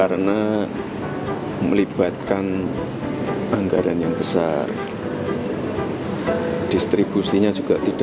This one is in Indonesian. berapa adjensinya sih mas untuk makan siang gratis